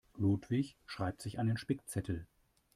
Ludwig schreibt sich einen Spickzettel.